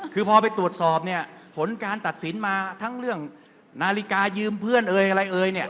คือพอไปตรวจสอบเนี่ยผลการตัดสินมาทั้งเรื่องนาฬิกายืมเพื่อนเอ่ยอะไรเอ่ยเนี่ย